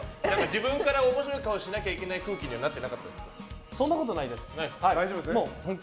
自分から面白い顔しなきゃいけない空気にはそんなことないです。